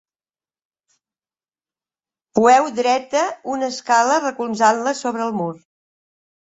Poeu dreta una escala recolzant-la sobre el mur.